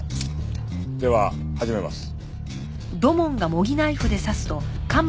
「では始めます」